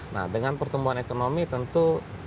nah dengan pertumbuhan ekonomi tentu